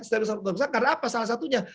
stabilitas harga rusak karena apa salah satunya